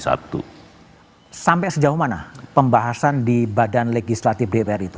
sampai sejauh mana pembahasan di badan legislatif dpr itu